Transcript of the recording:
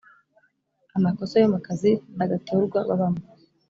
amakosa yo mu kazi badatorwa babamo